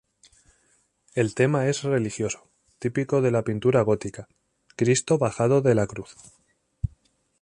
El tema es religioso, típico de la pintura gótica: Cristo bajado de la cruz.